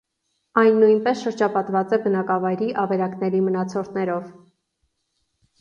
Այն նույնպես շրջապատված է բնակավայրի ավերակների մնացորդներով։